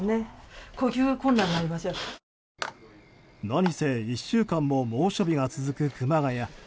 何せ１週間も猛暑日が続く熊谷。